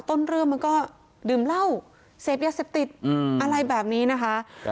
ต้นเรื่องมันก็ดื่มเหล้าเสพยาเสพติดอะไรแบบนี้นะคะ